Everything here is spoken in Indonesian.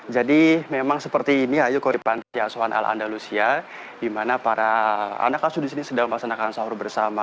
jadi memang seperti ini ayo ke depan pantai asuhan al andalusia di mana para anak asuh disini sedang melaksanakan sahur bersama